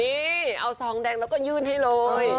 นี่เอาซองแดงแล้วก็ยื่นให้เลย